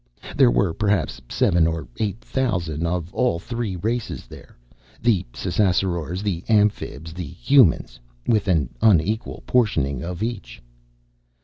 There were perhaps seven or eight thousand of all three races there the Ssassarors, the Amphibs, the Humans with an unequal portioning of each.